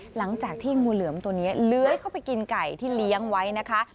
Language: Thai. หลังจากที่งูเหลือมตัวนี้เลื้อยเข้าไปกินไก่ที่เลี้ยงไว้นะคะ